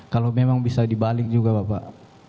kalau memang bisa dibalik juga bapak